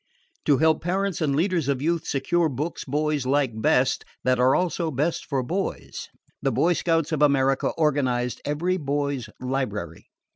To help parents and leaders of youth secure books boys like best that are also best for boys, the Boy Scouts of America organized EVERY BOY'S LIBRARY.